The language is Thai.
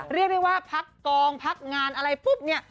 เรียกได้ว่าพักกองพักงานอะไรปุ๊บเนี่ย